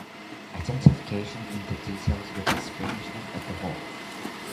Identification in the details with estrangement of the whole.